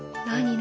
何？